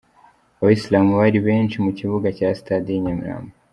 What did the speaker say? Abayisilamu bari benshi mu kibuga cya stade y'i Nyamirambo.